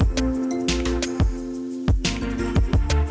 defisi tahun dua ribu dua puluh dua